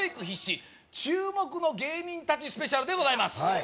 必至注目の芸人達スペシャルでございます